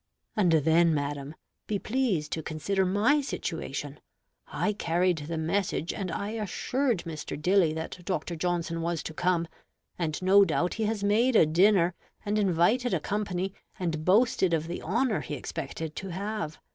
And then, madam, be pleased to consider my situation: I carried the message, and I assured Mr. Dilly that Dr. Johnson was to come; and no doubt he has made a dinner, and invited a company, and boasted of the honor he expected to have.